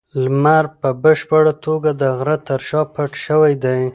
لمر اوس په بشپړه توګه د غره تر شا پټ شوی دی.